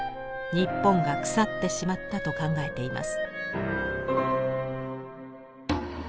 日本が腐ってしまったと考えています。